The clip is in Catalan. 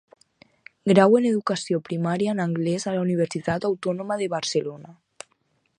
Grau en Educació Primària en anglès a la Universitat Autònoma de Barcelona.